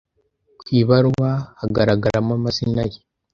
Kwi baruwa Hagaragaramo amazina ye,